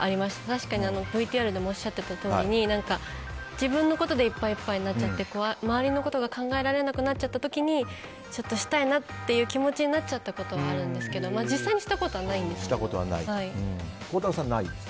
確かに、ＶＴＲでもおっしゃってたとおり自分のことでいっぱいいっぱいになっちゃって周りのことが考えられなくなっちゃったときにちょっとしたいなって気持ちになっちゃったことはあるんですが孝太郎さんはないと。